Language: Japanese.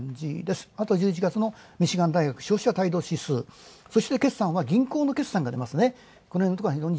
あと１１月のミシガン大学消費者態度指数、そして決算は銀行の決算が出ますね。